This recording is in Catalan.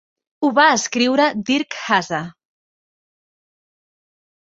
Ho va escriure Dirk Hasse.